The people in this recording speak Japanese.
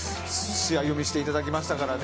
試合を見せていただきました。